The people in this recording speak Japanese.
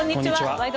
「ワイド！